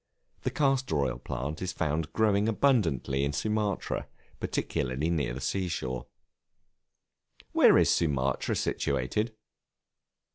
The Castor oil plant is found growing abundantly in Sumatra, particularly near the sea shore. Where is Sumatra situated?